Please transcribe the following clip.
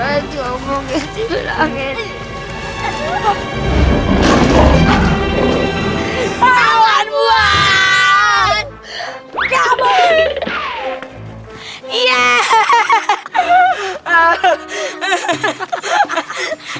ya allah jangan nganggap nganggap